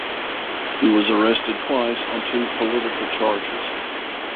He was arrested twice on two political charges.